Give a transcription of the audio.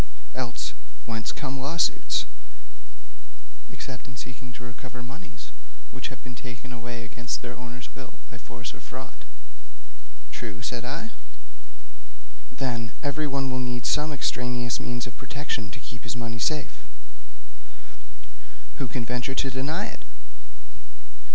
Else, whence come lawsuits, except in seeking to recover moneys which have been taken away against their owner's will by force or fraud?' 'True,' said I. 'Then, everyone will need some extraneous means of protection to keep his money safe.' 'Who can venture to deny it?'